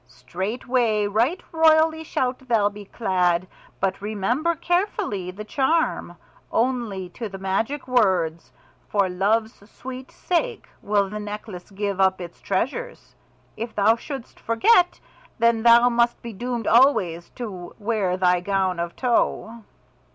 Straightway right royally shalt thou be clad. But remember carefully the charm. Only to the magic words, 'For love's sweet sake' will the necklace give up its treasures. If thou shouldst forget, then thou must be doomed always to wear thy gown of tow."